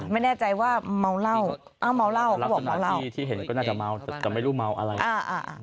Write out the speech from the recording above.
ไม่แน่ใจว่าเมาเหล้าเขาบอกเมาเหล้า